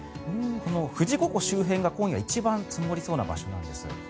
この富士五湖周辺が今夜一番積もりそうな場所なんです。